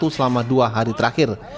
selama dua hari terakhir